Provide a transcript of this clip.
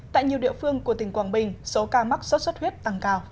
tại nhiều địa phương của tỉnh quảng bình số ca mắc sốt xuất huyết tăng cao